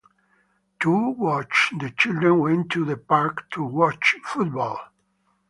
"to watch" - The children went to the park to watch football.